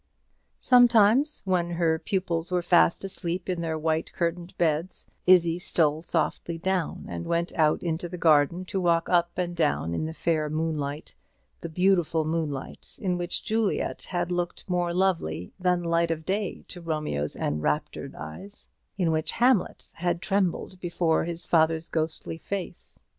Sometimes, when her pupils were fast asleep in their white curtained beds, Izzie stole softly down, and went out into the garden to walk up and down in the fair moonlight; the beautiful moonlight in which Juliet had looked more lovely than the light of day to Romeo's enraptured eyes; in which Hamlet had trembled before his father's ghostly face.